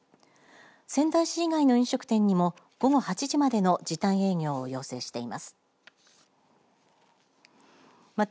仙台市以外の飲食店にも午後８時までの時短営業を要請しています。